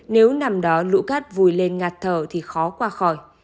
nếu nằm đó lũ cát vùi lên ngạt thở thì khó qua khỏi